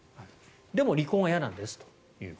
でも離婚は嫌なんですと。